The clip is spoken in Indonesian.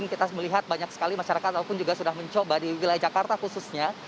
kita melihat banyak sekali masyarakat ataupun juga sudah mencoba di wilayah jakarta khususnya